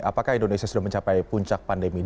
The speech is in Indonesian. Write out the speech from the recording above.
apakah indonesia sudah mencapai puncak pandemi